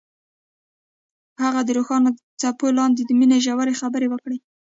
هغوی د روښانه څپو لاندې د مینې ژورې خبرې وکړې.